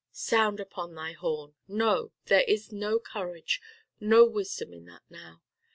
Sound upon thy horn! No! there is no courage, no wisdom in that now.